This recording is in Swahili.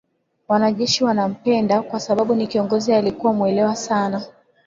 Wanajeshi wanampenda kwasababu ni kiongozi aliyekuwa mwelewa sana